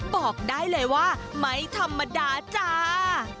บอกได้เลยว่าไม่ธรรมดาจ้า